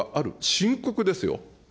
深刻ですよ。